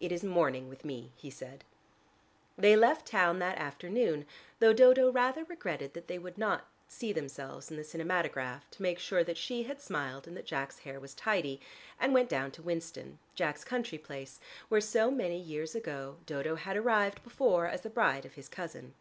"It is morning with me," he said. They left town that afternoon, though Dodo rather regretted that they would not see themselves in the cinematograph to make sure that she had smiled and that Jack's hair was tidy, and went down to Winston, Jack's country place, where so many years ago Dodo had arrived before as the bride of his cousin.